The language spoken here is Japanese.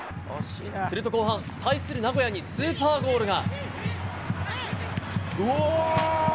すると後半、対する名古屋にスーパーゴールが。